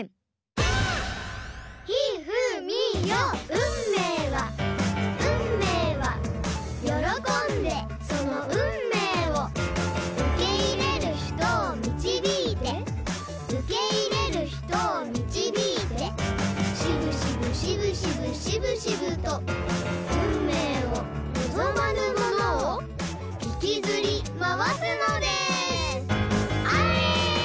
運命は運命は喜んでその運命を受け入れる人を導いて受け入れる人を導いてしぶしぶしぶしぶしぶしぶと運命を望まぬものを引きずり回すのですあれ！